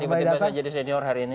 tiba tiba saya jadi senior hari ini